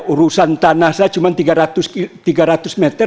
urusan tanah saya cuma tiga ratus meter